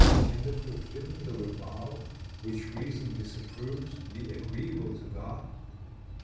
Can the fulfillment of a vow which reason disapproves, be agreeable to God?